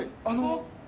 あの。